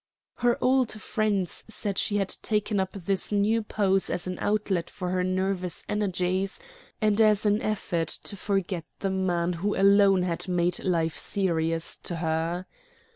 Her old friends said she had taken up this new pose as an outlet for her nervous energies, and as an effort to forget the man who alone had made life serious to her.